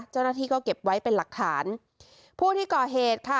เจ้าหน้าที่ก็เก็บไว้เป็นหลักฐานผู้ที่ก่อเหตุค่ะ